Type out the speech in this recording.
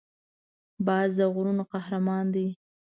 باز د غرونو قهرمان دی